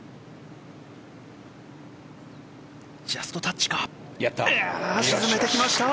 ジャストタッチで沈めてきました！